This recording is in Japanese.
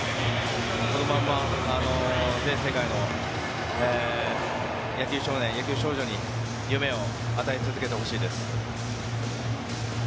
このまま全世界の野球少年、野球少女に夢を与え続けてほしいです。